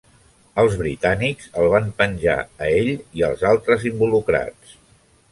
Els britànics el van penjar a ell i als altres involucrats.